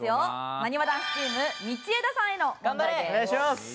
なにわ男子チーム道枝さんへの問題です。